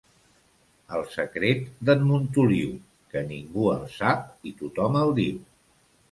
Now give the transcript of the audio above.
El secret d'en Montoliu, que ningú el sap i tothom el diu.